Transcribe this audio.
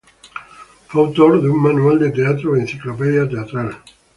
Fue autor de un "Manual del teatro ó enciclopedia teatral".